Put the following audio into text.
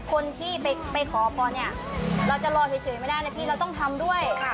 คนที่ไปขอพรเนี่ยเราจะรอเฉยไม่ได้นะพี่เราต้องทำด้วย